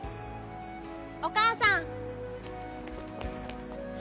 お母さん。